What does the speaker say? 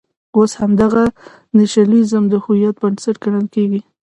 اوس همدغه نېشنلېزم د هویت بنسټ ګڼل کېږي.